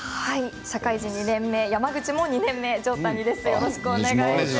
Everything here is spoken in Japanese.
社会人２年目山口も２年目の条谷です。